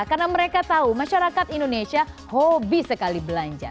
karena mereka tahu masyarakat indonesia hobi sekali belanja